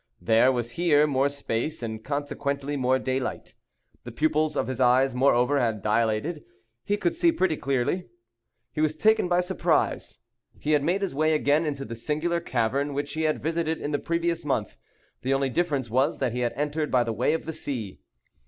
There was here more space, and consequently more daylight. The pupils of his eyes, moreover, had dilated; he could see pretty clearly. He was taken by surprise. He had made his way again into the singular cavern which he had visited in the previous month. The only difference was that he had entered by the way of the sea.